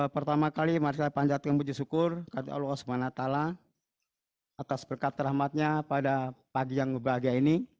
pertama kali mari kita panjatkan puji syukur kati allah semangat tala atas berkat terahmatnya pada pagi yang berbahagia ini